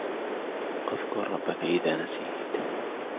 اذْكُر رَّبَّكَ إِذَا نَسِيتَ.